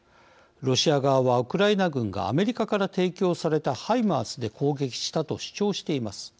ロシア側は、ウクライナ軍がアメリカから提供されたハイマースで攻撃したと主張しています。